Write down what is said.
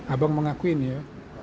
abang mengakuin ya